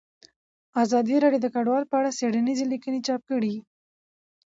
ازادي راډیو د کډوال په اړه څېړنیزې لیکنې چاپ کړي.